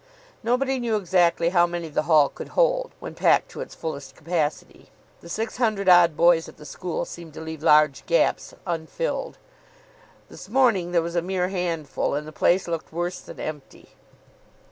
Nobody knew exactly how many the Hall could hold, when packed to its fullest capacity. The six hundred odd boys at the school seemed to leave large gaps unfilled. This morning there was a mere handful, and the place looked worse than empty.